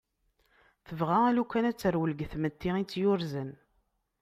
Tebɣa alukan ad terwel deg tmetti itt-yurzen.